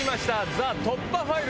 『ＴＨＥ突破ファイル』！